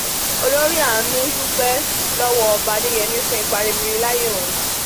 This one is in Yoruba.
Olorì Àánú dúpẹ́ lọ́wọ́ Ọba Adéyẹmí fún ipa ribiribi láyé òun.